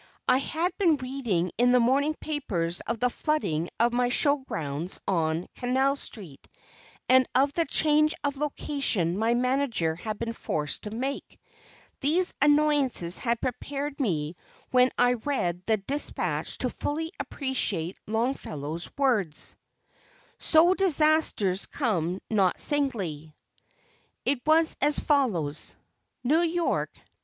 I had been reading in the morning papers of the flooding of my show grounds on Canal street, and of the change of location my manager had been forced to make. These annoyances had prepared me when I read the despatch to fully appreciate Longfellow's words, "So disasters come not singly." It was as follows: NEW YORK, Dec.